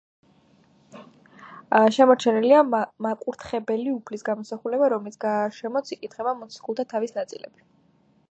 შემორჩენილია მაკურთხებელი უფლის გამოსახულება, რომლის გარშემოც იკითხება მოციქულთა თავის ნაწილები.